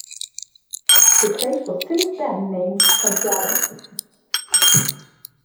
The place was since then named Santiago.